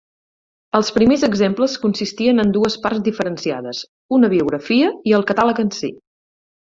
Els primers exemples consistien en dues parts diferenciades: una biografia i el catàleg en si.